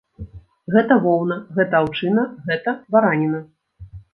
Гэта воўна, гэта аўчына, гэта бараніна.